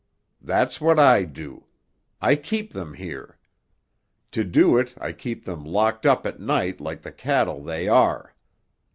"That's what I do. I keep them here. To do it I keep them locked up at night like the cattle they are.